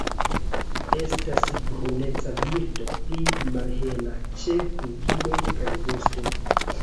Estas bruneca birdo pli malhela ĉe flugiloj kaj vosto.